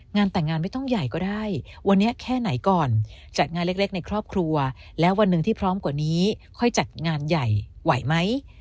งานแต่งงานไม่ต้องใหญ่ก็ได้วันนี้แค่ไหนก่อนจัดงานเล็กในครอบครัวแล้ววันหนึ่งที่พร้อมกว่านี้ค่อยจัดงานใหญ่ไหวไหม